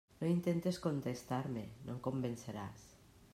No intentes contestar-me; no em convenceràs.